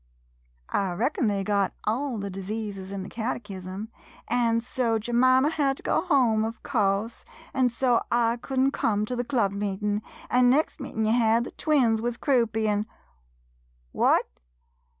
I reckon they got all the diseases in the catechism, an' so Jemima had to go home of course, an' so I could n't come to the club meetin', an' next meetin' ye had, the twins wuz croupy, an' — what